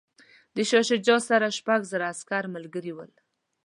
د شاه شجاع سره شپږ زره عسکر ملګري ول.